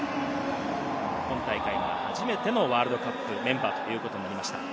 今大会が初めてのワールドカップメンバーということになりました。